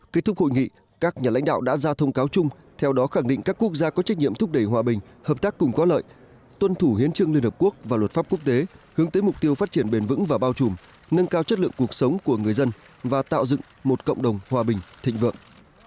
kết thúc hội nghị các nhà lãnh đạo đã ra thông cáo chung theo đó khẳng định các quốc gia có trách nhiệm thúc đẩy hòa bình hợp tác cùng có lợi tuân thủ hiến trương liên hợp quốc và luật pháp quốc tế hướng tới mục tiêu phát triển bền vững và bao trùm nâng cao chất lượng cuộc sống của người dân và tạo dựng một cộng đồng hòa bình thịnh vượng